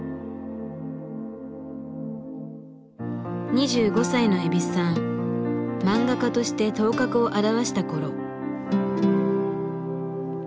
２５歳の蛭子さん漫画家として頭角を現した頃。